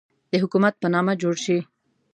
د حکومت په نامه جوړ شي.